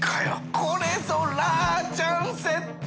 海譴ラーチャンセット！